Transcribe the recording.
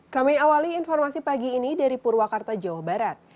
kami awali informasi pagi ini dari purwakarta jawa barat